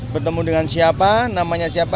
bertemu dengan siapa namanya siapa